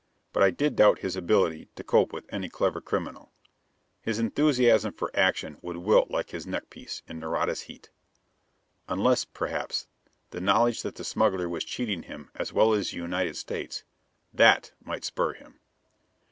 But I did doubt his ability to cope with any clever criminal. His enthusiasm for action would wilt like his neckpiece, in Nareda's heat. Unless, perhaps, the knowledge that the smuggler was cheating him as well as the United States that might spur him.